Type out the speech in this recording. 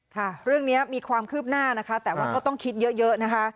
ค่ะเรื่องนี้มีความคืบหน้านะคะแต่ว่าก็ต้องคิดเยอะเยอะนะคะ